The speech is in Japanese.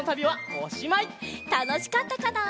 たのしかったかな？